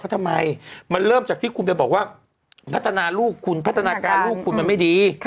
ทำไมมันเริ่มจากที่คุณไปบอกว่าพัฒนาลูกคุณพัฒนาการลูกคุณมันไม่ดี